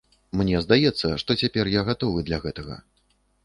Мне здаецца, што цяпер я гатовы для гэтага.